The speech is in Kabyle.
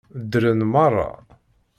Ddren meṛṛa.